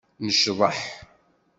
Necḍeḥ.